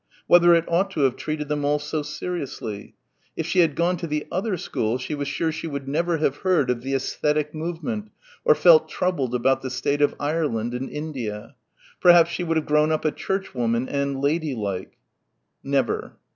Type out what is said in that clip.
Whether it ought to have treated them all so seriously. If she had gone to the other school she was sure she would never have heard of the Æsthetic Movement or felt troubled about the state of Ireland and India. Perhaps she would have grown up a Churchwoman ... and "lady like." Never.